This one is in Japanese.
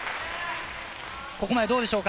ここまでどうでしょう？